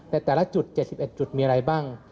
แต่ละจุด๗๑จุดมีอะไรบ้าง